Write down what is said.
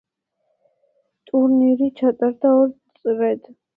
ტურნირი ჩატარდა ორ წრედ.